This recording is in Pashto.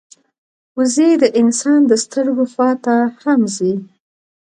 وزې د انسان د سترګو خوا ته هم ځي